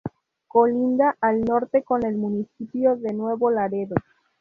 Colinda al norte con el municipio de Nuevo Laredo.